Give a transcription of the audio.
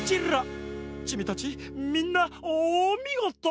チミたちみんなおみごと！